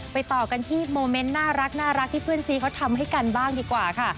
ต่อกันที่โมเมนต์น่ารักที่เพื่อนซีเขาทำให้กันบ้างดีกว่าค่ะ